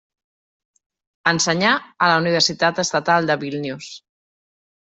Ensenyà a la Universitat Estatal de Vílnius.